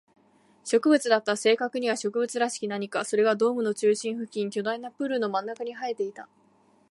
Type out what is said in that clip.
植物だった。正確には植物らしき何か。それがドームの中心付近、巨大なプールの真ん中に生えていた。